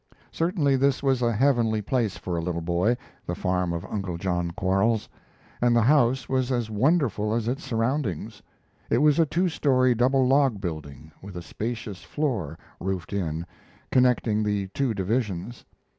Certainly this was a heavenly place for a little boy, the farm of Uncle John Quarles, and the house was as wonderful as its surroundings. It was a two story double log building, with a spacious floor (roofed in) connecting the two divisions.